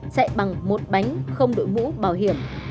chạy bằng một bánh không đội mũ bảo hiểm